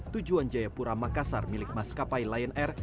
tujuan jayapura makassar milik maskapai lion air